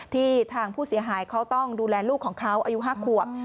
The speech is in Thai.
ทางผู้เสียหายเขาต้องดูแลลูกของเขาอายุ๕ขวบ